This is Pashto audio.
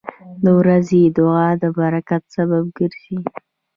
• د ورځې دعا د برکت سبب ګرځي.